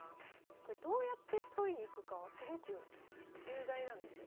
これどうやって取りに行くかはすごく重大なんですよ。